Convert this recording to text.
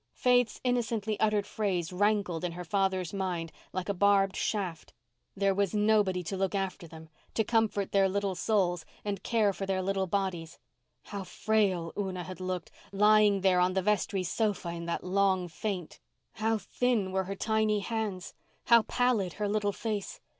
Faith's innocently uttered phrase rankled in her father's mind like a barbed shaft. There was "nobody" to look after them—to comfort their little souls and care for their little bodies. How frail Una had looked, lying there on the vestry sofa in that long faint! How thin were her tiny hands, how pallid her little face!